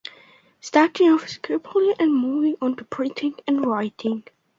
Starting off with scribbling and moving on to printing and writing.